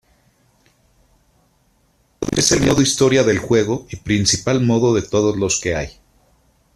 Es el modo historia del juego y principal modo de todos los que hay.